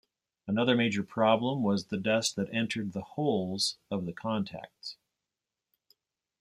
Another major problem was the dust that entered the holes of the contacts.